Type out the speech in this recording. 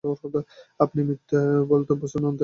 আপনি মিথ্যে বলতে অভ্যস্ত নন, তাই না?